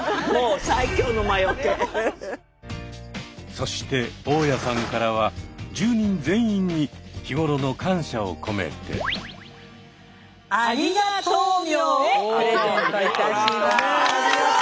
そして大家さんからは住人全員に日頃の感謝を込めて。をプレゼントいたします。